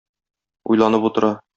Уйланып утыра.